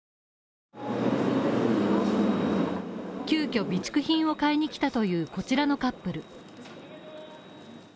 急きょ、備蓄品を買いに来たというこちらのカップル。